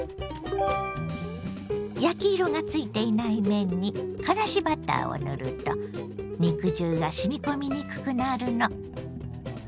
焼き色がついていない面にからしバターを塗ると肉汁がしみ込みにくくなるの。